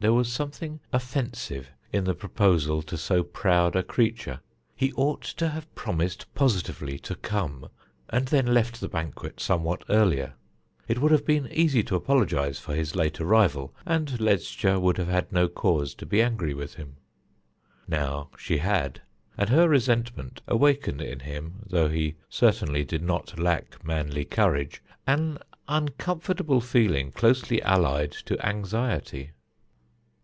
There was something offensive in the proposal to so proud a creature. He ought to have promised positively to come, and then left the banquet somewhat earlier. It would have been easy to apologize for his late arrival, and Ledscha would have had no cause to be angry with him. Now she had, and her resentment awakened in him though he certainly did not lack manly courage an uncomfortable feeling closely allied to anxiety.